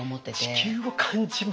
地球を感じますよね。